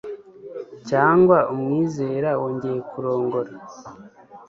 cyangwa umwizera wongeye kurongora